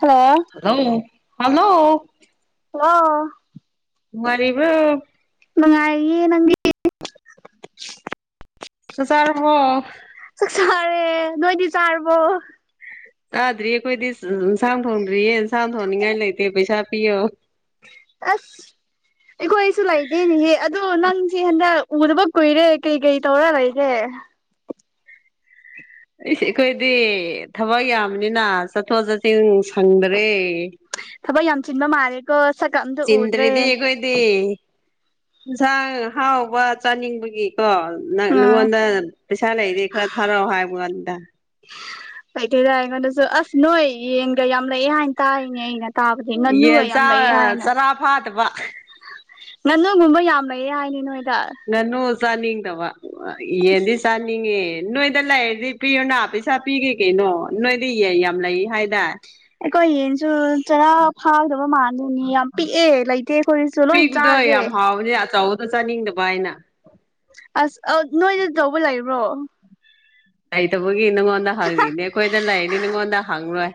Hello hello hello ꯑ ꯃꯔꯔꯤꯕ꯭ꯔ ꯅꯨꯡꯉꯥꯏꯥꯏꯌꯦ ꯅꯪꯒꯤ ꯑꯗꯨ ꯆꯥꯔꯔꯕꯣ ꯆꯔꯦ ꯅꯣꯏꯗꯤ ꯆꯥꯔꯔꯕꯣ ꯆꯥꯗ꯭ꯔꯤꯌꯦ ꯑꯩꯈꯣꯏꯗꯤ ꯏꯟꯁꯥꯡ ꯊꯣꯡꯗ꯭ꯔꯤꯌꯦ ꯏꯟꯁꯥꯡ ꯊꯣꯡꯅꯤꯡꯉꯥꯏ ꯂꯩꯇꯦ ꯄꯩꯁꯥ ꯄꯤꯌꯣ ꯑꯁ ꯑꯩꯈꯣꯏ ꯑꯩꯁꯨ ꯂꯩꯗꯦꯅꯦꯍꯦ ꯑꯗꯨꯗꯣ ꯅꯪꯁꯦ ꯍꯟꯗꯛ ꯎꯗꯕ ꯀꯨꯏꯔꯦ ꯀꯩ ꯀꯩ ꯇꯧꯔ ꯂꯩꯔꯦ [unintelligible] ꯁ ꯑꯩꯈꯣꯏꯗꯤ ꯊꯕꯛ ꯌꯥꯝꯕꯅꯤꯅ ꯆꯠꯊꯣꯛ ꯆꯠꯁꯤꯟ ꯁꯪꯗꯔꯦ ꯊꯕꯛ ꯌꯥꯝ ꯆꯤꯟꯕ ꯃꯥꯜꯂꯦꯀ ꯆꯤꯟꯗ꯭ꯔꯔꯤꯗꯤ ꯑꯩꯈꯣꯏꯗꯤ ꯌꯦꯟꯁꯥꯡ ꯍꯥꯎꯕ ꯆꯥꯅꯤꯡꯕꯒꯤ ꯀꯣ ꯑꯥ ꯅꯪꯉꯣꯟꯗ ꯄꯩꯁꯥ ꯂꯩꯗꯤ ꯈꯔ ꯊꯥꯔꯛꯑꯣ ꯍꯥꯏꯕꯣ ꯑꯗꯨꯗ ꯀꯩꯊꯣꯏꯗ ꯑꯩꯉꯣꯟꯗꯁꯨ ꯑꯁ ꯅꯣꯏ ꯌꯦꯟꯒ ꯌꯥꯝ ꯂꯩꯑꯦ ꯍꯥꯏꯅ ꯇꯥꯔꯤꯅꯦ ꯑꯩꯅ ꯇꯥꯕꯗꯤ ꯉꯥꯅꯨꯒ ꯌꯦꯟ ꯌꯥꯝ ꯆꯥ ꯂꯩ ꯍꯥꯏꯅ ꯆꯔꯥ ꯐꯥꯗꯕ ꯅꯅꯣꯒꯨꯝꯕ ꯌꯥꯝꯃꯩꯌꯦ ꯍꯥꯏꯅꯤꯅꯣ ꯅꯅꯨ ꯁꯥꯟ ꯇꯋꯥ ꯌꯦꯗꯤ ꯁꯥꯟꯉꯦ ꯅꯣꯏꯗ ꯂꯩꯔꯗꯤ ꯄꯤꯌꯨꯅ ꯄꯩꯁꯥ ꯄꯤꯒꯦ ꯀꯩꯅꯣ ꯅꯣꯏꯗꯤ ꯌꯦꯏ ꯌꯥꯝ ꯂꯩ ꯍꯥꯏꯗꯥ ꯑꯩꯈꯣꯏ ꯌꯦꯟꯁꯨ ꯆꯔꯥ ꯐꯥꯗꯕ ꯃꯥꯜꯂꯦ ꯑꯗꯨꯅꯤ ꯌꯥꯝ ꯄꯤꯛꯑꯦ ꯂꯩꯇꯦ ꯑꯩꯈꯣꯏꯁꯨ ꯂꯣꯏ ꯆꯥꯈ꯭ꯔꯦ ꯑ ꯆꯥꯅꯤꯡꯗꯕ ꯍꯥꯏꯅ ꯑꯁ ꯑ ꯅꯣꯏꯗꯗꯤ ꯇꯧꯕ ꯂꯩꯕ꯭ꯔꯣ ꯂꯩꯇꯕꯒꯤ ꯅꯪꯉꯣꯟꯗ ꯍꯪꯉꯤꯅꯦ ꯑꯩꯈꯣꯏꯗ ꯂꯩꯅꯤ ꯅꯪꯉꯣꯟꯗ ꯍꯪꯉꯣꯏ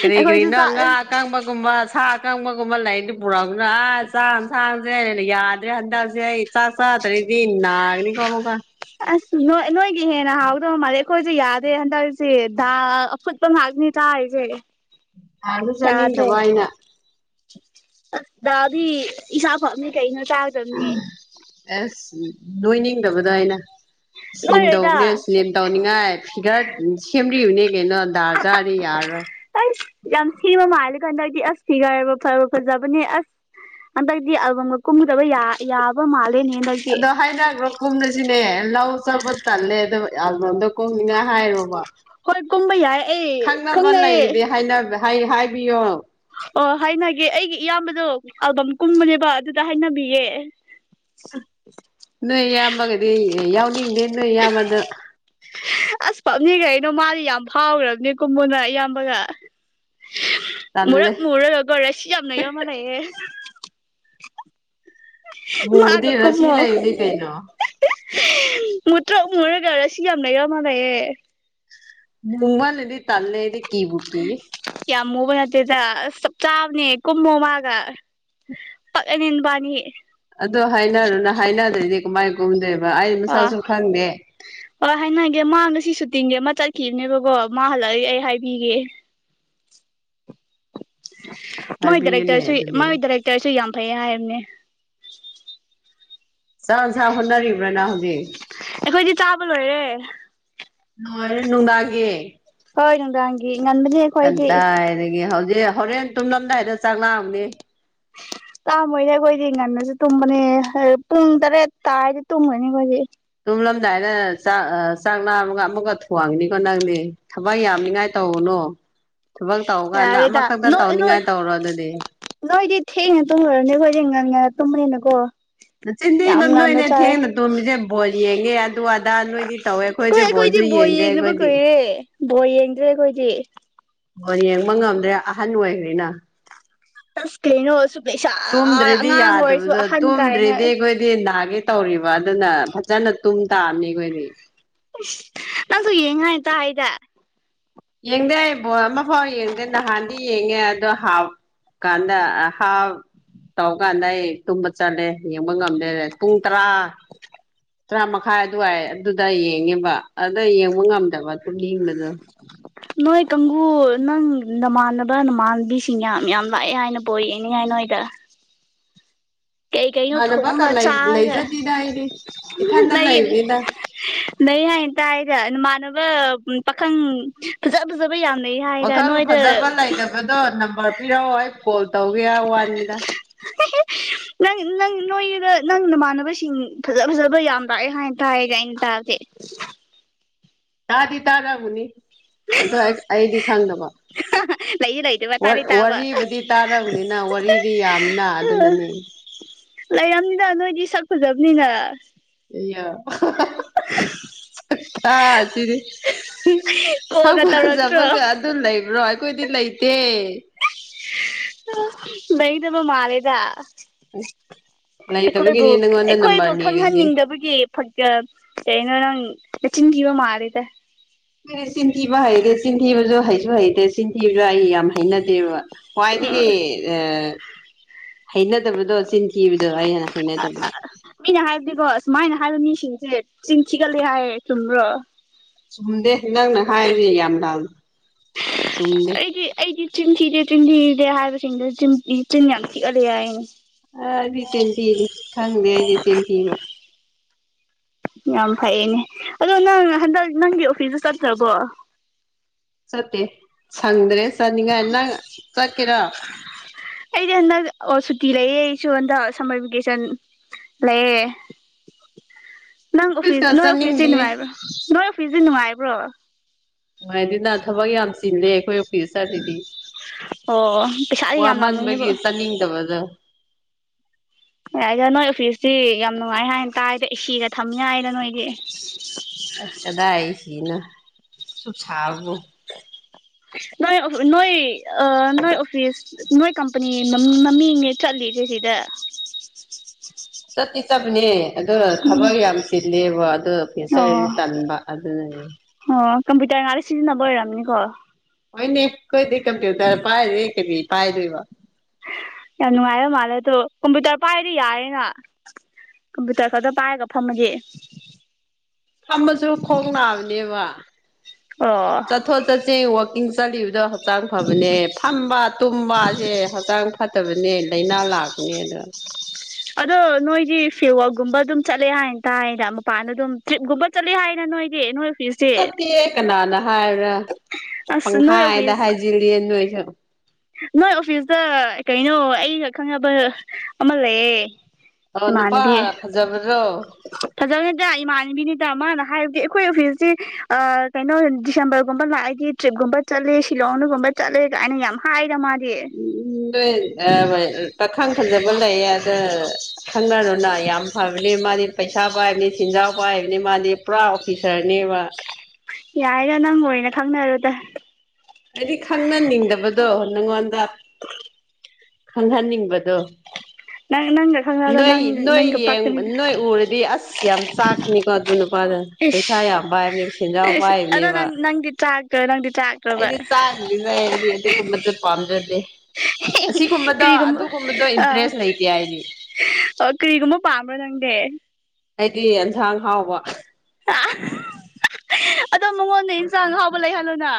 ꯀꯔꯤ ꯑꯩꯈꯣꯏꯁꯨ ꯀꯔꯤꯅꯣ ꯆꯥꯛ ꯉꯥ ꯑꯀꯪꯕꯒꯨꯝꯕ ꯁꯥ ꯑꯀꯪꯕꯒꯨꯝꯕ ꯂꯩꯗꯤ ꯄꯨꯔꯛꯃꯤꯅ ꯑꯁ ꯆꯥꯡꯟꯁꯥꯡꯁꯦ ꯌꯥꯗ꯭ꯔꯦ ꯍꯟꯗꯜꯁꯤꯦ ꯏ ꯆꯥꯁ ꯍꯥꯇꯔꯦꯗꯤ ꯏ ꯅꯥꯅꯤ ꯀꯣꯃꯒ ꯑꯁ ꯅ ꯅꯣꯏꯒꯤ ꯍꯦꯟꯅ ꯍꯥꯎꯗꯕ ꯃꯥꯜꯂꯦ ꯑꯩꯈꯣꯏꯁꯦ ꯌꯥꯗꯦ ꯍꯟꯗꯛꯁꯤ ꯁꯠꯄꯝ ꯃꯥꯒꯅꯤ ꯇ ꯍꯥꯏ ꯀꯦꯦ ꯑ ꯑꯗꯨ ꯆꯥꯅꯤꯡꯗꯕ ꯑꯩꯅ ꯗꯗꯥꯗꯤ ꯏ ꯁꯥꯥ ꯀꯩꯅꯩꯅ ꯑꯁ ꯅꯣꯏ ꯅꯤꯡꯗꯕꯗꯣ ꯑꯩꯅ ꯎ [unintelligible] [inaudible] ꯁ꯭ꯂꯤꯝ ꯇꯧꯕꯅꯦ ꯁ꯭ꯂꯤꯝ ꯇꯧꯅꯤꯡꯉꯥꯏ ꯐꯤꯒꯔ ꯁꯦꯝꯔꯤꯕꯅꯦ ꯀꯩꯅꯣ ꯗꯥꯔ ꯆꯥꯗꯤ ꯌꯥꯔꯔꯣꯏ ꯑꯁ ꯌꯥꯝ ꯁꯦꯝꯕ ꯃꯥꯜꯂꯦ ꯀꯥꯟꯗ ꯑꯩꯗꯤ ꯑꯁ ꯐꯤꯒꯥꯏꯕ ꯐꯕ ꯐꯖꯕꯅꯦ ꯑꯁ ꯑꯟꯗꯗꯤ ꯀꯨꯝꯗꯕ ꯌꯥꯕ ꯃꯥꯜꯂ ꯑꯗꯣ ꯍꯥꯏꯅꯈ꯭ꯔꯣ ꯀꯨꯝꯅꯁꯤꯅꯦ ꯂꯧ ꯆꯥꯄ ꯇꯜꯂꯦ ꯑꯣ ꯌꯥꯝꯂꯣꯝꯗꯣ ꯀꯨꯝꯅꯤꯡꯉꯥꯏ ꯍꯥꯏꯔꯣꯕ ꯍꯣꯏ ꯀꯨꯝꯕ ꯌꯥꯏ ꯑꯩ ꯈꯪꯅꯕ ꯈꯪꯅꯩꯌꯦ ꯂꯩꯔꯗꯤ ꯍꯥꯏ ꯍꯥꯏꯕꯤꯌꯣ ꯑꯣ ꯍꯥꯏꯅꯒꯦ ꯑꯩꯒꯤ ꯏꯌꯥꯝꯕꯗꯣ ꯑꯜꯕꯝ ꯀꯨꯝꯕꯅꯦꯕ ꯑꯗꯨꯗ ꯍꯥꯏꯅꯕꯤꯌꯦꯦ ꯅꯣꯏ ꯌꯥꯝꯃꯒꯗꯤ ꯌꯥꯎꯅꯤꯡꯗꯦ ꯅꯣꯏ ꯌꯥꯝꯃꯗ ꯑꯁ ꯄꯞꯅꯤꯒꯩꯅꯣ ꯃꯥꯗꯤ ꯌꯥꯝ ꯐꯥꯎꯈ꯭ꯔꯕꯅꯦ ꯀꯨꯝꯕꯅ ꯏꯌꯥꯝꯕꯒ ꯇꯜꯂꯦ ꯃꯔꯛ ꯃꯔꯛ ꯔꯁꯤ ꯌꯥꯝꯅ ꯌꯥꯣ ꯃꯂ ꯍ ꯃꯨꯕꯗꯤ ꯃꯥꯒ ꯔꯥꯁꯤ ꯀꯨꯝꯃꯣ ꯂꯩꯕꯅꯤ ꯀꯩꯅꯣ ꯃꯨꯠꯇ꯭ꯔꯣ ꯃꯨꯔꯒꯔ ꯁꯤ ꯌꯥꯝ ꯂꯩꯔ ꯃꯥꯂꯌꯦꯦ ꯃꯃꯅ ꯏꯗꯤ ꯇꯜꯦꯗꯤ ꯀꯕꯨꯀꯤ ꯌꯥꯝ ꯃꯨꯕ ꯅꯠꯇꯦꯗ ꯑꯁ ꯆꯞ ꯆꯥꯕꯅꯤ ꯀꯨꯝꯃꯣ ꯃꯥꯒ ꯄꯅꯤꯟꯕꯥꯅꯤ ꯑꯗꯨ ꯍꯥꯏꯅꯔꯣꯅ ꯍꯥꯏꯅꯗ꯭ꯔꯦꯗꯤ ꯀ ꯃꯥꯏ ꯀꯨꯝꯗꯦꯕ ꯑ ꯑ ꯍꯥꯏꯅꯒꯦ ꯃꯥꯒ ꯁꯤ ꯁꯇꯤꯡꯒꯦ ꯃꯆꯥ ꯀꯈꯤꯕꯅꯦꯕꯀꯣ ꯃꯥ ꯍꯜꯂꯛꯗꯤ ꯑꯩ ꯍꯥꯏꯕꯤꯒꯦ ꯃꯣꯏ ꯍꯥꯏꯕꯤꯌꯨꯅꯦ ꯗꯥꯏꯔꯦꯛꯇꯔꯁꯨ ꯑꯗꯨꯗꯤ ꯃꯒꯤ ꯗꯥꯏꯔꯦꯛꯇꯔꯁꯨ ꯌꯥꯝ ꯐꯩ ꯍꯥꯏꯕꯅꯦ ꯁꯥ ꯁ ꯍꯣꯠꯅꯔꯤꯕ꯭ꯔꯅ ꯍꯧꯖꯤꯛ ꯑꯩꯈꯣꯏꯗꯤ ꯆꯥꯕ ꯂꯣꯏꯔꯦ ꯅꯨꯡꯗꯥꯒꯤꯦ ꯍꯣꯏ ꯅꯨꯡꯗꯥꯡꯪꯒꯤꯦ ꯀꯟꯗꯥꯏꯗꯒꯤ ꯍꯧꯖꯤꯛ ꯍꯣꯔꯦꯟ ꯇꯨꯝꯂꯝꯗꯥꯏꯗ ꯆꯥꯛ ꯂꯥꯡꯝꯅꯤ ꯇꯥꯃꯣꯏꯅꯦ ꯑꯩꯈꯣꯏꯗꯤ ꯉꯟꯅꯁꯨ ꯇꯨꯝꯕꯅꯤ ꯄꯨꯡ ꯇꯔꯦꯠ ꯇꯥꯗꯤ ꯇꯨꯝꯈꯣꯏꯅꯤ ꯑꯩꯈꯣꯏꯗꯤ ꯊꯨꯝꯝꯂꯝꯗꯥꯏꯗ ꯆꯥꯛ ꯆꯥꯛ ꯥ ꯑꯃꯒ ꯑꯃꯒ ꯊꯣꯡꯉꯤꯅꯤꯀꯣ ꯅꯪꯗꯤ ꯊꯕꯛ ꯌꯥꯝꯅꯤꯉꯥꯏ ꯇꯧꯕꯅꯣ ꯑꯣ ꯊꯕꯛ ꯇꯧꯀꯥꯟꯗ ꯌꯥꯔꯦꯗ ꯑꯃꯈꯛꯇ ꯅꯣꯏ ꯅꯣꯏ ꯇꯧꯅꯤꯡꯉꯥꯏ ꯇꯧꯔꯣ ꯑꯗꯨꯗꯤ ꯅꯣꯏꯗꯤ ꯊꯦꯡꯅ ꯇꯨꯝꯈꯨꯔꯅꯦꯈꯣꯏꯗꯤ ꯉ ꯇꯨꯝꯃꯦꯦꯅꯀꯣ ꯆꯤꯟꯊꯤꯡꯗ ꯅꯣꯏꯅꯦ ꯊꯦꯡꯅ ꯇꯣꯝꯃꯤꯁꯦ ꯕꯣꯜ ꯌꯦꯡꯉꯦ ꯑꯗꯨ ꯑꯗꯥ ꯅꯣꯏꯗꯤ ꯇꯧꯋꯦ ꯑꯩꯈꯣꯏꯗꯤ ꯕꯣꯜꯁ ꯁꯤꯗꯤ ꯕꯣꯏ ꯌꯦꯡꯅꯕ ꯀꯨꯏꯔꯦ ꯕꯣꯏ ꯌꯦꯡꯗ꯭ꯔꯦ ꯑꯩꯈꯣꯏꯗꯤ ꯑꯣ ꯌꯦꯡꯕ ꯉꯝꯗ꯭ꯔꯦ ꯑꯍꯟ ꯑꯣꯏꯈ꯭ꯔꯦꯅ ꯑꯁ ꯀꯩꯅꯣ ꯑꯁꯨꯛ ꯂꯩꯁꯥ ꯇꯨꯝꯗ꯭ꯔꯗꯤ ꯑꯉꯥꯡ ꯑꯣꯏꯔꯁꯨ ꯌꯥꯗꯕꯗꯣ ꯑꯍꯟ ꯀꯥꯏꯅ ꯇꯨꯝꯗ꯭ꯔꯗꯤ ꯑꯩꯈꯣꯏꯗꯤ ꯅꯥꯒꯦ ꯇꯧꯔꯤꯕ ꯑꯗꯨꯅ ꯐꯖꯅ ꯇꯨꯝ ꯇꯥꯑꯝꯅꯤ ꯑꯩꯈꯣꯏꯗꯤ ꯅꯪꯁꯨ ꯌꯦꯡꯉꯇ ꯍꯥꯏꯗ ꯌꯦꯡꯗꯦ ꯑꯩ ꯕꯣ ꯑꯃ ꯐꯥꯎ ꯌꯦꯡꯗꯦ ꯅꯍꯥꯟꯗꯤ ꯌꯦꯡꯉꯦ ꯑꯗꯣ ꯍꯥꯎ ꯀꯥꯟꯗ ꯍꯥꯥꯎ ꯇꯧꯀꯥꯟꯗ ꯑꯩ ꯇꯨꯝꯕ ꯆꯠꯂꯦ ꯌꯦꯡꯕ ꯉꯝꯗꯦ ꯄꯨꯡ ꯇꯔꯥ ꯇꯔꯥ ꯃꯈꯥꯏ ꯑꯗꯨꯋꯥꯏ ꯑꯗꯨꯗ ꯌꯦꯡꯉꯦꯕ ꯑꯗꯨꯗ ꯌꯦꯡꯕ ꯉꯝꯗꯕ ꯀꯡꯂꯗ ꯅꯣꯏ ꯀꯥꯡꯒꯨ ꯅꯪ ꯅꯃꯥꯟꯅꯕ ꯅꯃꯥꯟꯕꯤꯁꯤꯡ ꯌꯥꯝ ꯌꯥꯝ ꯂꯥꯛꯑꯦ ꯍꯥꯏꯅ ꯄꯣꯛꯛꯦꯅꯦ ꯍꯥꯏꯅ ꯃꯣꯏꯗ ꯀꯩ ꯀꯩ ꯑꯣ ꯏꯃꯥꯟꯅꯕꯒ ꯊꯣꯡꯒ ꯂꯩ ꯆꯥꯒ ꯂꯩꯖꯗꯦꯗ ꯑꯩꯗꯤ ꯏꯊꯟꯗ ꯅ ꯏ ꯂꯩꯕꯅꯤꯅ ꯅ ꯍꯥꯏꯅ ꯇꯥꯏꯔꯃꯅ ꯄꯥꯈꯪ ꯐꯖꯥ ꯐꯖꯥ ꯋꯥꯈꯜ ꯐꯖꯕ ꯂꯩꯇꯕꯗꯣ ꯅꯝꯕꯔ ꯄꯤꯔꯛꯑꯣ ꯑꯩ ꯀꯣꯜ ꯇꯧꯒꯦ ꯋꯥꯅꯤꯗ ꯍꯂꯣ ꯅꯪ ꯅꯪ ꯅꯣꯏꯗ ꯅꯪ ꯅꯃꯥꯟꯅꯕꯁꯤꯡ ꯐꯖ ꯐꯖꯕ ꯌꯥꯝ ꯂꯥꯛꯑꯦ ꯍꯥꯏꯅ ꯇꯥꯏꯔꯒ ꯑꯩꯅ ꯇꯥꯔꯒꯦ [unintelligible] ꯇꯥꯗꯤ ꯇꯥꯗꯕꯨꯅꯤ ꯑꯣ ꯑꯩꯗꯤ ꯈꯪꯗꯕ ꯂꯩꯗꯤ ꯂꯩꯇꯕ ꯇꯥꯗꯤ ꯇꯥꯕ ꯋꯥꯔꯤꯕꯨꯗꯤ ꯇꯥꯔꯕꯅꯤꯅ ꯋꯥꯔꯤꯗꯤ ꯌꯥꯝꯅ ꯑꯗꯨꯅꯅꯤ ꯂꯩ ꯌꯥꯝꯅꯤꯗ ꯅꯣꯏꯗꯤ ꯁꯛ ꯐꯖꯕꯅꯤꯅ ꯍ [unintelligible] ꯍꯥꯥ ꯁꯤꯗꯤꯦ ꯀꯣꯜꯒ ꯇꯧꯔꯛꯇ꯭ꯔꯣ ꯁꯧꯒꯖꯕꯒ ꯑꯗꯨꯝ ꯂꯩꯕ꯭ꯔꯣ ꯑꯩꯈꯣꯏꯗꯤ ꯂꯩꯇꯦ ꯩꯗꯕ ꯃꯥꯔꯦꯗ ꯎ ꯑꯩꯈꯣꯏꯕꯨ ꯑꯩꯈꯣꯏꯕꯨ ꯅꯤꯔꯤꯁꯦ ꯈꯪꯍꯟꯅꯤꯡꯗꯕꯒꯤ ꯐ ꯀꯩꯅꯣ ꯅꯪ ꯂꯆꯤꯟ ꯀꯤꯕ ꯃꯥꯔꯤꯦꯗ ꯗꯤ ꯆꯤꯟꯊꯤꯕ ꯍꯩꯇꯦ ꯆꯤꯟꯊꯤꯕꯁꯨ ꯍꯩꯁꯨ ꯍꯩꯇꯦ ꯆꯤꯟꯊꯤꯕꯁꯨ ꯑꯩ ꯌꯥꯝ ꯍꯩꯅꯗꯦꯕ ꯋꯥꯏꯗꯒꯤ ꯑ ꯍꯩꯅꯗꯕꯗꯣ ꯆꯤꯟ ꯊꯤꯈꯤꯕꯗꯣ ꯑꯩꯅ ꯍꯩꯅꯗꯕꯗ ꯍꯥꯏꯕꯗꯤꯣ ꯍꯥꯏ ꯆꯤꯡꯁꯤꯤꯀ ꯂꯩ ꯍꯥꯏꯌꯦ ꯆꯨꯝ꯭ꯔꯣ ꯆꯨꯝꯗꯦ ꯅꯪꯅ ꯍꯥꯏꯔꯤꯌꯦ ꯌꯥꯝ ꯂ ꯆꯨꯝꯗꯦ ꯆꯤꯟꯊꯗꯦ ꯍꯥꯏꯕꯁꯤꯡꯗ ꯆ ꯆꯤꯟ ꯌꯥꯝ ꯊꯤꯛꯍꯂꯦ ꯍꯥꯏꯏꯅꯦ ꯑ ꯑꯩꯗꯤ ꯆꯦꯟꯊꯤꯅꯤ ꯈꯪꯗꯦ ꯑꯩꯗꯤ ꯆꯦꯟꯊꯤꯕ ꯌꯥꯝ ꯐꯩꯌꯦꯅꯦ ꯑꯗꯣ ꯅꯪ ꯍꯟꯗꯛ ꯅꯪꯒꯤ ꯑꯣꯐꯤꯁꯇ ꯆꯠꯇ꯭ꯔꯕꯣ ꯆꯠꯇꯦ ꯁꯪꯗ꯭ꯔꯦ ꯆꯠꯅꯤꯡꯉꯥꯏ ꯅꯪ ꯆꯠꯀꯦꯔꯥ ꯑꯩꯗꯤ ꯍꯟꯗꯛ ꯑꯣ ꯁꯨꯇꯤ ꯂꯩꯌꯦ ꯑꯩꯁꯨ ꯍꯟꯗꯛ ꯁꯝꯃꯔ ꯚꯦꯀꯦꯁꯟ ꯂꯩꯌꯦ ꯅꯪ ꯑꯣꯐꯤꯁ ꯑꯣꯐꯤꯁꯀ ꯅꯣꯏ ꯑꯣꯐꯤꯁꯁꯤ ꯆꯠꯅꯤꯡꯗꯦ ꯅꯨꯡꯉꯥꯏꯕ꯭ꯔꯣ ꯅꯣꯏ ꯑꯣꯐꯤꯁꯁꯤ ꯅꯨꯡꯉꯥꯏꯕ꯭ꯔꯣ ꯅꯨꯡꯉꯥꯏ ꯑꯗꯨꯅ ꯊꯕꯛ ꯌꯥꯝ ꯆꯤꯂꯦ ꯑꯩꯈꯣꯏ ꯄ ꯁꯥꯔꯗꯤ ꯑꯣ ꯄꯩꯁꯥꯗꯤ ꯌꯥꯝ ꯋꯥꯃꯟꯕꯒꯤ ꯂꯥꯝꯃꯝꯅꯤꯕꯣ ꯆꯥꯅꯤꯡꯗꯕꯗꯣ ꯑꯦꯏꯗ ꯅꯣꯏ ꯑꯣꯐꯤꯁꯇꯤ ꯌꯥꯝ ꯅꯨꯡꯉꯥꯏ ꯍꯥꯏꯅ ꯀꯥꯏꯗ ꯁꯤꯒ ꯊꯝ ꯌꯥꯏꯅ ꯅꯣꯏꯗꯤ ꯑꯁ ꯀꯗꯥꯏ ꯁꯤꯅꯣ ꯁꯨ ꯁꯥꯕꯣ ꯅꯣꯏ ꯅꯣꯏ ꯅꯣꯏ ꯑꯣꯐꯤꯁ ꯅꯣꯏ ꯀꯝꯄꯅꯤ ꯃꯃꯤꯡ ꯆꯠ ꯂꯤꯗꯦꯁꯤꯗ ꯆ ꯊ ꯆꯕꯅꯦ ꯑ ꯊꯕꯛ ꯌꯥꯝ ꯆꯤꯂꯦꯕ ꯑꯗꯨ ꯑꯣ ꯐ꯭ꯌꯨꯆꯔꯗꯤ ꯇꯟꯕ ꯑꯗꯨꯅꯅꯦ ꯑꯣ ꯀꯝꯄ꯭ꯌꯨꯇꯔ ꯉꯂ ꯁꯤꯖꯤꯟꯅꯕ ꯑꯣꯏꯔꯝꯅꯤꯀꯣ ꯍꯅꯦ ꯀꯣꯏꯀꯝ ꯊ ꯇ ꯄꯥꯏ ꯀ ꯄꯥꯏꯗꯨ ꯋꯥ ꯌꯥꯝ ꯅꯨꯡꯉꯥꯏꯕ ꯃꯥꯜꯂꯦ ꯑꯗꯣ ꯀꯝꯄ꯭ꯌꯨꯇꯔ ꯄꯥꯏꯔꯗꯤ ꯌꯥꯔꯦꯅ ꯀꯝꯄ꯭ꯌꯨꯇꯔ ꯈꯛꯇ ꯄꯥꯏꯔꯒ ꯐꯝꯃꯒꯦ ꯊꯝꯕꯁꯨ ꯈꯣꯡ ꯅꯥꯕꯅꯦꯕ ꯑꯣ ꯆꯠꯊꯣ ꯆꯁꯦ ꯋꯥꯣꯀꯤꯡ ꯆꯂꯤꯗ ꯍꯛꯆꯥꯡ ꯐꯕꯅꯦ ꯐꯝꯕ ꯇꯨꯝꯕꯁꯦ ꯍꯛꯆꯥꯡ ꯐꯠꯇꯕꯅꯦ ꯂꯥꯏꯅꯥ ꯂꯥꯛꯄꯅꯦ ꯑꯣ ꯑꯗꯣ ꯅꯣꯏꯗꯤ ꯐꯤꯋꯒꯨꯝꯕ ꯑꯗꯨꯝ ꯆꯠꯂꯦ ꯍꯥꯏꯅꯇꯥꯗ ꯃꯄꯥꯟꯗ ꯑꯗꯨꯝ ꯇ꯭ꯔꯤꯞꯒꯨꯝꯕ ꯆꯠꯂꯦ ꯍꯥꯏꯅ ꯣꯏꯗꯤꯦ ꯅꯩꯅꯣꯏ ꯆꯠꯇꯦ ꯀꯅꯥꯅ ꯍꯥꯏꯕ꯭ꯔꯥ ꯑꯁ ꯅꯣꯏ ꯄꯪꯈꯥꯏꯗ ꯑꯣꯐꯤꯁ ꯍꯥꯏꯖꯤꯔꯤꯌꯦ ꯅꯣꯏꯁꯨ ꯅꯣꯏ ꯑꯣꯐꯤꯁꯇ ꯀꯩꯅꯣ ꯑꯩꯒ ꯈꯪꯅꯕ ꯑꯃ ꯂꯩꯌꯦ ꯑꯣ ꯏꯃꯥꯟꯅꯕꯤ ꯅꯨꯄꯥ ꯐꯖꯕ꯭ꯔꯣ ꯐꯖꯕꯅꯤꯗ ꯏꯃꯥꯟꯕꯤꯅꯤꯗ ꯃꯥꯅ ꯍꯥꯏ ꯑꯩꯈꯣꯏ ꯑꯣꯐꯤꯁꯁꯤ ꯀꯩꯅꯣ ꯗꯤꯁꯦꯝꯕꯔꯒꯨꯝꯕ ꯂꯥꯛꯑꯗꯤ ꯇ꯭ꯔꯤꯞꯀꯨꯝꯕ ꯆꯠꯂꯦ ꯁꯤꯂꯣꯡꯅꯒꯨꯝꯕ ꯆꯠꯂꯦ ꯑꯅꯤ ꯌꯥꯝ ꯍꯥꯏꯗ ꯃꯥ ꯎꯝ ꯎ ꯅꯣꯏ ꯄꯥꯈꯪ ꯐꯖꯕ ꯂꯩꯌꯦ ꯑꯗ ꯈꯪꯅꯔꯨꯅ ꯌꯥꯝ ꯐꯕꯅꯤ ꯃꯥꯗꯤ ꯄꯩꯁꯥ ꯄꯥꯏꯕꯅꯤ ꯆꯤꯟꯖꯥꯎ ꯄꯥꯏꯕꯅꯤ ꯃꯥꯗꯤ ꯄꯨꯔꯥ ꯑꯣꯐꯤꯁꯔꯅꯦꯕ ꯌꯥꯔꯦ ꯅꯪ ꯑꯣꯏꯅ ꯈꯪꯅꯔꯣꯗ ꯑꯩꯗꯤ ꯈꯪꯅꯅꯤꯡꯗꯕꯗꯣ ꯅꯪꯉꯣꯟꯗ ꯈꯪꯍꯟꯅꯤꯡꯕꯗꯣ ꯅꯪ ꯅꯪꯒ ꯈꯪꯅꯕꯗ ꯅꯣꯏ ꯅꯪ ꯅꯣꯏ ꯅꯪꯒ ꯌꯦꯡ ꯄꯛꯀꯅꯤꯗ ꯅꯣꯏ ꯎꯔꯗꯤ ꯑꯁ ꯌꯥꯝ ꯆꯥꯛꯅꯤꯀꯣ ꯑꯗꯨ ꯄꯩꯁꯥ ꯏꯁ ꯌꯥꯝ ꯄꯥꯏ ꯄꯥꯏꯕꯅꯦꯕ ꯁꯦꯟꯖꯥꯎ ꯑꯁ ꯑꯗꯣ ꯄꯥꯏꯕꯅꯦꯕ ꯅꯪ ꯅꯪꯗꯤ ꯆꯥꯛꯇ꯭ꯔꯣ ꯅꯪꯗꯤ ꯆꯥꯛꯇ꯭ꯔꯕ ꯑꯩꯗꯤ [unintelligible] ꯑꯩꯗꯤ ꯑꯗꯨꯒꯨꯝꯕꯗ ꯄꯥꯝꯖꯗꯦ ꯑꯁꯤꯒꯨꯝꯕꯗꯣ ꯀꯔꯤꯒꯨꯝꯕ ꯑꯗꯨꯒꯨꯝꯕꯗꯣ ꯑꯥ ꯏꯟꯇꯔꯦꯁ ꯂꯩ ꯑꯣ ꯀꯔꯤꯒꯨꯝꯕ ꯄꯥꯝꯕ꯭ꯔꯣ ꯅꯪꯗꯤ ꯍꯥꯏꯗꯤ ꯑꯦꯟꯁꯥꯡ ꯍꯥꯎꯕ ꯑꯗꯣ ꯃꯉꯣꯟꯗ ꯏꯟꯁꯥꯡ ꯍꯥꯎꯕ ꯂꯩꯍꯜꯂꯨꯅ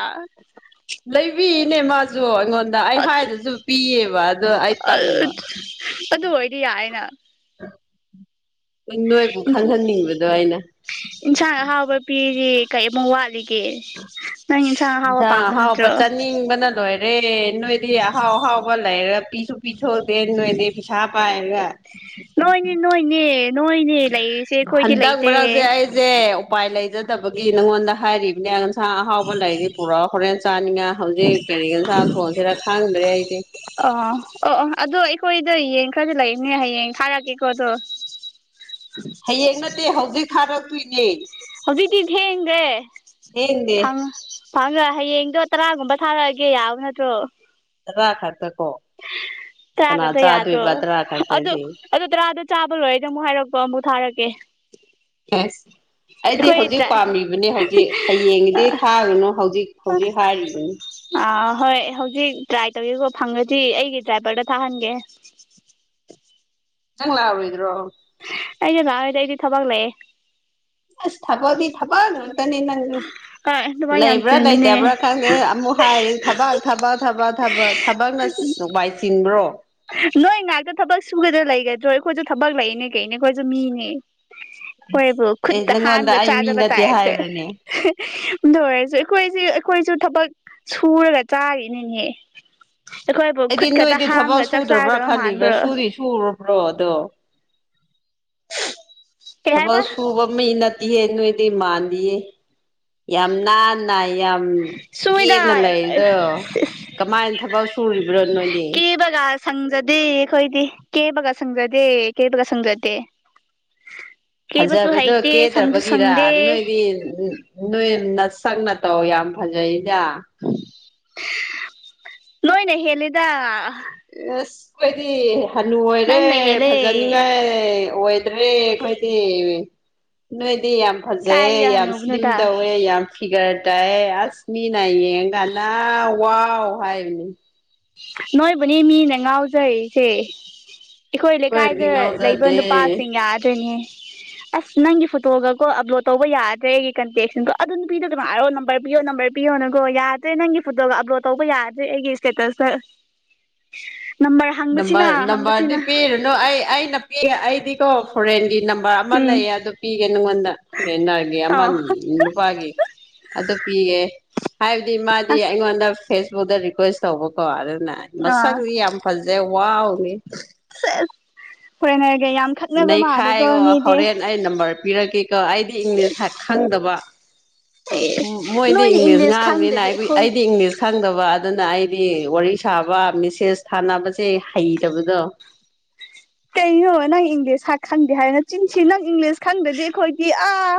ꯂꯩꯕꯤꯅꯦ ꯃꯥꯁꯨ ꯑꯩꯉꯣꯟꯗ ꯑꯩ ꯍꯥꯏꯗꯁꯨ ꯄꯤꯌꯦꯕ ꯑꯗꯣ ꯑꯩ ꯇꯟꯕ ꯗꯤ ꯌꯥꯏꯅ ꯅꯣꯏꯕꯨ ꯈꯪꯍꯟꯅꯤꯡꯕꯗꯣ ꯑꯩꯅ ꯏꯟꯁꯥꯡ ꯑꯍꯥꯎꯕ ꯄꯤꯔꯤ ꯀꯩꯃꯨꯛ ꯋꯥꯠꯂꯤ ꯅꯪ ꯏꯟꯁꯥꯡ ꯟꯍꯥꯎꯕ ꯄꯥꯝꯕ ꯅꯠꯇ꯭ꯔꯣ ꯑꯦ ꯅꯣꯏꯗꯤ ꯑꯍꯥꯎ ꯑꯍꯥꯎꯕꯥ ꯂꯩꯔ [unintelligible] ꯄꯤꯊꯣꯛꯇꯦ ꯅꯣꯏꯗꯤ ꯄꯩꯁꯥꯥ ꯄꯥꯏꯔꯒꯥ ꯅꯣꯏꯅꯦ ꯅꯣꯏꯅꯦ ꯅꯣꯏꯅꯦ ꯂꯩꯔꯤꯁꯦ ꯑꯩꯈꯣꯏꯗꯤ ꯍꯟꯗꯛ ꯂꯩꯇꯦ ꯃꯔꯛꯁꯦ ꯑꯩꯁꯦ ꯎꯄꯥꯏ ꯂꯩꯖꯗꯕꯒꯤ ꯅꯪꯉꯣꯟꯗ ꯍꯥꯏꯔꯤꯕꯅꯦ ꯏꯟꯁꯥꯡ ꯑꯍꯥꯎꯕ ꯂꯩꯗꯤ ꯄꯨꯔꯥ ꯍꯣꯔꯦꯟ ꯆꯥꯅꯤꯡꯉ ꯍꯧꯖꯤꯛ ꯀꯔꯤꯒꯤ ꯏꯟꯁꯥꯡ ꯊꯣꯡꯁꯤꯔ ꯈꯥꯡꯗ꯭ꯔꯦ ꯑꯩꯁꯦ ꯑꯣ ꯑꯣ ꯑꯣ ꯑꯗꯣ ꯑꯩꯈꯣꯏꯗ ꯌꯦꯡ ꯈꯔꯗꯤ ꯂꯩꯕꯅꯦ ꯍꯌꯦꯡ ꯊꯥꯔꯛꯀꯦꯀꯣ ꯑꯗꯣ ꯍꯌꯦꯡ ꯅꯠꯇꯦ ꯍꯧꯖꯤꯛ ꯊꯥꯔꯛꯇꯣꯏꯅꯦ ꯍꯧꯖꯤꯛꯇꯤ ꯊꯦꯡꯗꯦ ꯊꯦꯡꯒꯔꯦ [unintelligible] ꯍꯌꯦꯡꯗꯣ ꯇꯔꯥꯒꯨꯝꯕ ꯊꯥꯔꯛꯑꯒꯦ ꯌꯥꯕ ꯅꯠꯇ꯭ꯔꯣ [unintelligible] [unintelligible] ꯇꯔꯥ ꯀꯅꯥ ꯈꯛꯇ ꯌꯥꯗ꯭ꯔꯣ ꯆꯥꯗꯣꯏꯕ ꯇꯔꯥ ꯑꯗꯨ ꯈꯛꯇꯗꯤ ꯑꯗꯨ ꯇꯔꯥꯗꯣ ꯆꯥꯕ ꯂꯣꯏꯔꯗꯤ ꯑꯃꯨꯛ ꯍꯥꯏꯔꯛꯑꯣ ꯑꯃꯨꯛ ꯊꯥꯔꯀꯦ [unintelligible] ꯑꯦꯁ [unintelligible] ꯑꯩꯗꯤ ꯍꯧꯖꯤꯛ ꯄꯥꯝꯂꯤꯕꯅꯤ ꯍꯧꯖꯤꯛ ꯍꯌꯦꯡꯒꯤꯗꯤ ꯊꯥꯒꯅꯨ ꯍꯧꯖꯤꯛ ꯍꯧꯖꯤꯛ ꯍꯥꯏꯔꯤꯕꯅꯤ ꯑꯥ ꯍꯣꯏ ꯍꯧꯖꯤꯛ ꯇ꯭ꯔꯥꯏ ꯇꯧꯒꯦꯀꯣ ꯐꯪꯉꯗꯤ ꯑꯩꯒꯤ ꯗ꯭ꯔꯥꯏꯚꯔꯗ ꯊꯥꯍꯟꯒꯦ ꯆꯪꯂ ꯂꯥ ꯑꯣꯏꯣꯏꯗ꯭ꯔꯣ ꯑꯩꯗꯤ ꯂꯥꯛꯑꯣꯏꯗꯥ ꯑꯩꯗꯤ ꯊꯕꯥꯛ ꯂꯩꯑꯦ ꯑꯁ ꯊꯕꯛꯗꯤ ꯊꯕꯛ ꯉꯥꯛꯇꯅꯦ ꯅꯪꯖꯨ ꯍꯣꯏ ꯑꯗꯨꯃꯥꯏ ꯌꯥꯝ ꯂꯩꯕ꯭ꯔꯥ ꯆꯤꯟꯕꯅꯦ ꯂꯩꯇꯕ꯭ꯔꯥ ꯈꯪꯗꯦ ꯑꯃꯨꯛ ꯍꯥꯏꯔꯤ ꯊꯕꯛ ꯊꯕꯛ ꯊꯕꯛ ꯊꯕꯛꯅ [unintelligible] ꯊꯤꯟꯕ꯭ꯔꯣ ꯅꯣꯏ ꯉꯥꯏꯥꯛꯇ ꯊꯕꯛ ꯁꯨꯒꯗ꯭ꯔꯥ ꯂꯩꯒꯗ꯭ꯔꯣ ꯑꯩꯈꯣꯏꯁꯨ ꯊꯕꯛ ꯂꯩꯅꯦ ꯀꯩꯅꯦ ꯑꯩꯈꯣꯏꯁꯨ ꯃꯤꯅꯦ ꯍꯣꯏꯕꯨ ꯑꯦ ꯈꯨꯠꯇ ꯅꯪꯉꯣꯟꯗ ꯍꯥꯥꯝꯃꯥꯒ [unintelligible] ꯑꯩ ꯃꯤ ꯇꯥꯏꯄ ꯅꯠꯇꯦ ꯇꯥ ꯍꯥꯏꯕ꯭ꯔꯅꯦ ꯟꯗꯨ ꯑꯣꯏꯔꯁꯨ ꯑꯩꯈꯣꯏꯁꯨ ꯑꯩꯈꯣꯏꯁꯨ ꯊꯕꯛ ꯁꯨꯔꯒ ꯆꯥꯔꯤꯅꯤꯅꯦ ꯑꯩꯈꯣꯏꯕꯨ ꯑꯩꯗꯤ ꯈꯨꯠ ꯈꯛꯇ ꯅꯣꯏꯗꯤ ꯊꯕꯛ ꯍꯥꯝꯃꯒ ꯆꯥꯛ ꯁꯨꯗ꯭ꯔꯕ꯭ꯔꯥ ꯆꯥꯗꯕ ꯈꯜꯂꯤꯕ꯭ꯔꯥ ꯃꯥꯟꯕ꯭ꯔꯣ ꯁꯨꯔꯤ ꯁꯨꯔꯕ꯭ꯔꯣ ꯑꯗꯣ ꯀꯩ ꯍꯥꯏꯕ ꯊꯕꯛ ꯁꯨꯕ ꯃꯤ ꯅꯠꯇꯤꯍꯦ ꯅꯣꯏꯗꯤ ꯃꯥꯟꯗꯤꯌꯦ ꯌꯥꯝ ꯅꯥꯟꯅ ꯌꯥꯝ ꯁꯨꯃꯤꯗ ꯀꯦꯅ ꯂꯩꯔꯤꯗꯣ ꯀꯃꯥꯏꯅ ꯊꯕꯛ ꯁꯨꯔꯤꯕ꯭ꯔꯣ ꯅꯣꯏꯗꯤ ꯀꯦꯕꯒ ꯁꯪꯖꯗꯦ ꯑꯩꯈꯣꯏꯗꯤ ꯀꯦꯕꯒ ꯁꯪꯖꯗꯦ ꯀꯦꯕꯒ ꯁꯪꯖꯗꯦ ꯀꯦꯕꯁꯨ ꯐꯖꯕꯗꯣ ꯍꯩꯇꯦ ꯁꯪꯁꯨ ꯀꯦꯗꯕꯒꯤꯔꯥ ꯁꯪꯗꯦ ꯅꯣꯏꯗꯤ ꯎꯝ ꯅꯣꯏ ꯅꯥꯁꯛ ꯅꯇꯧ ꯌꯥꯝ ꯐꯖꯏ ꯅꯣꯏꯅꯥ ꯍꯦꯂꯤꯗ ꯁ ꯀꯣꯏꯗꯤ [unintelligible] ꯑꯣꯏꯔꯦ ꯅꯪꯅ ꯍꯦꯜꯂꯦ ꯐꯖꯅꯤꯡꯉꯥꯏ ꯑꯣꯏꯗ꯭ꯔꯦ ꯑꯩꯈꯣꯏꯗꯤ ꯅꯣꯏꯗꯤ ꯌꯥꯝ ꯐꯖꯩ ꯀꯥꯏꯗꯒꯤ ꯌꯥꯝ ꯁ꯭ꯂꯤꯝ ꯍꯅꯨꯕꯅꯣꯗ ꯇꯧꯋꯦ ꯌꯥꯝ ꯐꯤꯒꯔ ꯇꯥꯏꯌꯦ ꯑꯁ ꯃꯤ ꯏꯅꯥꯌꯦꯡ ꯀꯥꯟꯅ ꯋꯥꯎ ꯍꯥꯏꯕꯅꯤ ꯅꯣꯏꯕꯨꯅꯤ ꯃꯤꯅ ꯉꯥꯎꯖꯩꯁꯦ ꯏꯈꯣꯏ ꯑꯩꯈꯣꯏꯗꯤ ꯂꯩꯀꯥꯏꯗ ꯂꯩꯕ ꯉꯥꯎꯖꯗꯦ ꯅꯨꯄꯥꯁꯤꯡ ꯌꯥꯗꯣꯏꯅꯤ ꯑꯁ ꯅꯪꯒꯤ ꯐꯣꯇꯣꯒꯀꯣ ꯑꯞꯂꯣꯗ ꯇꯧꯕ ꯌꯥꯗ꯭ꯔꯦ ꯑꯩꯒꯤ ꯀꯟꯇꯦꯛꯁꯤꯡꯗꯣ ꯑꯗꯨ ꯅꯨꯄꯤꯗꯣ ꯑꯗꯨꯝꯥꯏ ꯍꯥꯏꯔꯣ ꯅꯝꯕꯔ ꯄꯤꯌꯣ ꯅꯝꯕꯔ ꯄꯤꯌꯣ [inaudible] ꯌꯥꯗ꯭ꯔꯦ ꯅꯪꯒꯤ ꯐꯣꯇꯣꯒ ꯑꯞꯂꯣꯗ ꯇꯧꯕ ꯌꯥꯗꯦ ꯑꯩꯒꯤ ꯏꯁꯇꯦꯇꯁꯇ꯫ ꯅꯝꯕꯔ ꯍꯪꯕꯁꯤꯅ ꯅꯝꯕꯔ ꯅꯝꯕꯔꯗꯤ ꯍꯪꯕꯁꯤꯅ ꯄꯤꯔꯨꯅꯨ ꯑꯩ ꯑꯩꯩꯅ ꯄꯤ ꯑꯩꯗꯤꯀꯣ ꯐꯣꯔꯦꯟꯒꯤ ꯅꯝꯕꯔ ꯑꯃ ꯎꯝ ꯂꯩꯌꯦ ꯑꯗꯨ ꯄꯤꯒꯦ ꯅꯉꯣꯟꯗ ꯔꯦꯟꯅꯔꯒꯤ ꯑꯃ ꯑꯥꯎ ꯅꯨꯨꯄꯥꯒꯤ ꯑꯗꯣ ꯄꯤꯒꯦ꯫ ꯍꯥꯏꯕꯗꯤ ꯃꯥꯗꯤ ꯑꯁ ꯑꯩꯉꯣꯟꯗ ꯐꯦꯁꯕꯨꯛꯇ ꯔꯤꯀ꯭ꯋꯦꯁ ꯇꯧꯕꯀꯣ ꯑꯗꯨꯅ ꯑꯥ ꯃꯁꯛꯗꯤ ꯌꯥꯝ ꯖꯦ ꯋꯥꯎ ꯒꯤ ꯐꯣꯔꯦꯅꯔꯒꯤ ꯅꯩꯈꯥꯏꯌꯣ ꯍꯣꯔꯦꯟ ꯑꯩ ꯅꯝꯕꯔ ꯄꯤꯔꯛꯀꯦꯀꯣ ꯑꯩꯗꯤ ꯏꯪꯂꯤꯁ ꯈ ꯈꯪꯗꯕ ꯋꯥ ꯑꯦ ꯃ ꯃꯣꯏꯗꯤ ꯅꯣꯏꯅ ꯏꯪꯂꯤꯁ ꯉꯥꯡꯕꯤꯅ ꯈꯪꯗꯗꯤ ꯑꯩ ꯑꯩꯈꯣꯏ ꯑꯩꯗꯤ ꯏꯪꯂꯤꯁ ꯈꯪꯗꯕ ꯑ ꯑꯗꯨꯅ ꯑꯩꯗꯤ ꯋꯥꯔꯤ ꯁꯥꯕ ꯃꯦꯁꯦꯁ ꯊꯥꯅꯕꯁꯦ ꯍꯩꯇꯕꯗꯣ ꯀꯩꯅꯣ ꯅꯪ ꯏꯪꯂꯤꯁ ꯈꯪꯗꯦ ꯍꯥꯏꯅ ꯆꯤꯟꯁꯤ ꯅꯪ ꯏꯪꯂꯤꯁ ꯈꯪꯗꯗꯤ ꯑꯩꯈꯣꯏꯗꯤ ꯑꯥ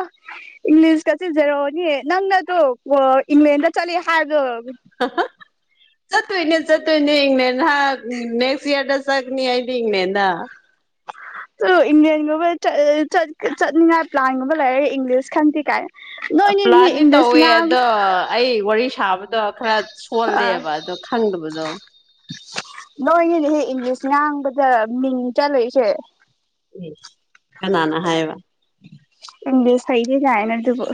ꯏꯪꯂꯤꯁ ꯇ [inaudible] ꯑꯣꯅꯤ ꯅꯪꯅꯗꯣ ꯑꯣ ꯏꯪꯂꯦꯟꯗ ꯆꯠꯂꯦ ꯍꯥꯏꯕꯗꯣ꯫ ꯍꯥ ꯍꯥ ꯆꯠꯇꯣꯏꯅꯦ ꯆꯠꯇꯣꯏꯅꯦ ꯏꯪꯂꯦꯟ ꯍꯥ ꯅꯦꯛꯁ ꯌꯔꯗ ꯆꯠꯅꯤ ꯑꯩꯗꯤ ꯏꯪꯂꯦꯟꯗ ꯇꯨ ꯏꯪꯂꯦꯟꯒꯨꯝꯕ ꯆꯠ ꯑ ꯆꯠ ꯀ ꯆꯠꯅꯤꯡꯉꯥꯏ ꯄ꯭ꯂꯥꯟꯒꯨꯝꯕ ꯂꯩꯔ ꯏꯪꯂꯤꯁ ꯈꯪꯗꯦ ꯀꯥꯏ ꯑ ꯅꯣꯏꯅꯤꯅꯦꯍꯦ ꯄ꯭ꯂꯥꯟꯗꯤ ꯏꯪꯂꯤꯁ ꯇꯧꯋꯦ ꯉꯥꯡ ꯑꯗꯣ ꯑꯩ ꯋꯥꯔꯤ ꯁꯥꯕ ꯗꯣ ꯈꯔ ꯁꯣꯜꯂꯦꯕ ꯑꯗꯣ ꯈꯪꯗꯕꯗꯣ ꯅꯣꯏꯅꯤꯅꯦ ꯑꯦ ꯏꯪꯂꯤꯁ ꯉꯥꯡꯕꯗ ꯃꯤꯡ ꯆꯠꯂꯩꯁꯦ ꯏꯁ ꯀꯅꯥꯅ ꯍꯥꯏꯕ ꯏꯪꯂꯤꯁ ꯍꯩ ꯗꯤ ꯌꯥꯥꯏꯅ ꯗꯨꯕꯨ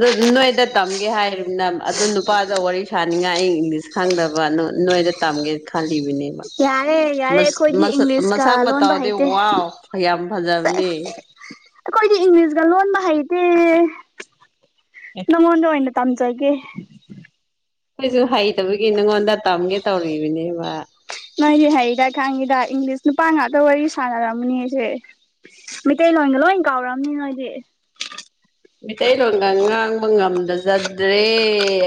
ꯗꯨ ꯅꯣꯏꯗ ꯇꯝꯒꯦ ꯍꯥꯏꯔꯤꯕꯅꯝ ꯑꯗꯨ ꯅꯨꯄꯥꯗ ꯋꯥꯔꯤ ꯁꯥꯅꯤꯡꯉꯥꯏ ꯏꯪꯂꯤꯁ ꯈꯪꯗꯕ ꯅ ꯅꯣꯏꯗ ꯇꯝꯒꯦ ꯈꯟ ꯍꯩꯕꯅꯦꯕ ꯌꯥꯔꯦ ꯌꯥꯔꯦ ꯃꯁ ꯑꯩꯈꯣꯏꯗꯤ ꯃꯁꯛ ꯏꯪꯂꯤꯁꯀ ꯃꯁꯛ ꯂꯣꯟꯕ ꯃꯇꯥꯎꯗꯤ ꯍꯩꯇꯦ ꯋꯥꯎ ꯌꯥꯝ ꯐꯖꯕꯅꯦ [inaudible] ꯑꯈꯣꯏꯗꯤ ꯏꯪꯂꯤꯖꯒ ꯂꯣꯟꯕ ꯍꯩꯇꯦ ꯅꯉꯣꯟꯗ ꯑꯣꯏꯅ ꯇꯝꯖꯒꯦ꯫ ꯑꯣꯢꯖꯨ ꯍꯩꯇꯕꯒꯤ ꯅꯉꯣꯟꯗ ꯇꯝꯒꯦ ꯇꯧꯔꯤꯕꯅꯦꯕ ꯅꯣꯏꯗꯤ ꯍꯩꯗ ꯈꯪꯉꯤꯗ ꯏꯪꯂꯤꯁ ꯅꯨꯄꯥ ꯉꯥꯛꯇ ꯋꯥꯔꯤ ꯁꯥꯟꯅꯔꯝꯅꯤ ꯁꯦ꯫ ꯃꯩꯇꯩꯩꯂꯣꯟꯒ ꯂꯣꯏꯟ ꯀꯥꯎꯔꯝꯅꯤ ꯅꯣꯏꯗꯤ꯫ ꯃꯤꯇꯩꯔꯣꯟꯒ ꯉꯥꯡꯕ ꯉꯝꯗꯖꯗ꯭ꯔꯦ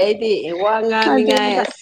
ꯑꯦꯗꯤ꯫ ꯑꯦ ꯋꯥ ꯉꯥꯡꯅꯤꯡꯉꯥꯢ ꯑꯗꯨꯅꯦꯕ ꯑꯁ